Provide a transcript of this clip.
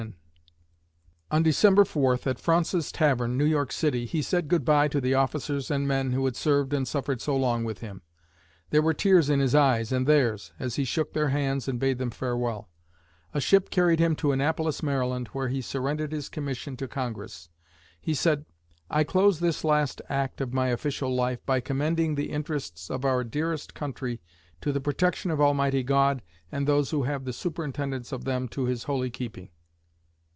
[Illustration: Mrs. Betsy Ross] On December 4, at Fraunce's Tavern, New York City, he said good by to the officers and men who had served and suffered so long with him; there were tears in his eyes and theirs, as he shook their hands and bade them farewell. A ship carried him to Annapolis, Maryland, where he surrendered his commission to Congress. He said, "I close this last act of my official life by commending the interests of our dearest country to the protection of Almighty God and those who have the superintendence of them to His holy keeping."